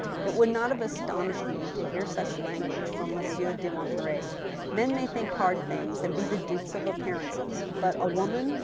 " It would not have astonished me to hear such language from Monsieur de Monterey. Men may think bard things, and be the dupes of appearances ; but a woman